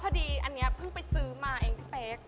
พอดีอันนี้เพิ่งไปซื้อมาเองพี่เป๊ก